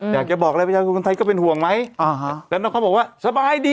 อยากจะบอกอะไรพระเจ้าคุณไทยก็เป็นห่วงไหมแล้วตอนนั้นเขาบอกว่าสบายดี